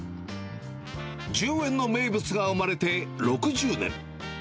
１０円の名物が生まれて６０年。